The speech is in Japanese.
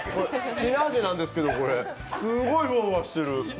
フィナンシェなんですけどすっごいフワフワしてる。